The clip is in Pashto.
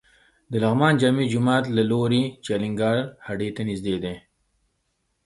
د لغمان جامع جومات له لوري چې الینګار هډې ته ځې.